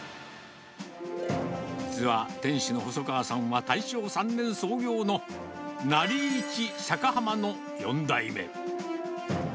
実は店主の細川さんは、大正３年創業のなり市堺浜の４代目。